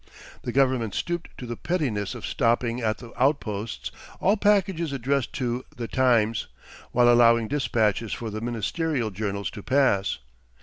The government stooped to the pettiness of stopping at the outposts all packages addressed to "The Times," while allowing dispatches for the ministerial journals to pass.